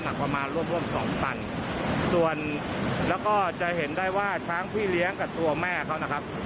ประมาณร่วมร่วมสองตันส่วนแล้วก็จะเห็นได้ว่าช้างพี่เลี้ยงกับตัวแม่เขานะครับ